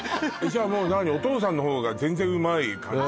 じゃもう何お父さんの方が全然うまい感じ？